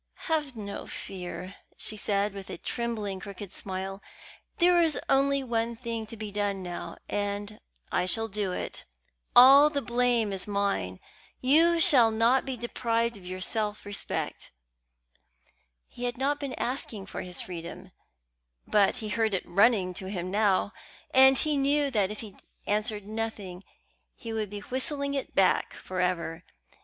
"Have no fear," she said, with a trembling, crooked smile; "there is only one thing to be done now, and I shall do it. All the blame is mine. You shall not be deprived of your self respect." He had not been asking for his freedom; but he heard it running to him now, and he knew that if he answered nothing he would be whistling it back for ever.